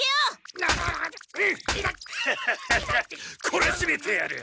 こらしめてやる！